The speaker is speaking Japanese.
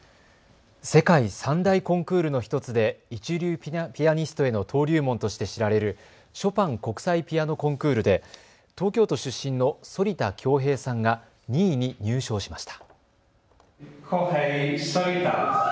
世界三大コンクールの１つで一流ピアニストへの登竜門として知られるショパン国際ピアノコンクールで東京都出身の反田恭平さんが２位に入賞しました。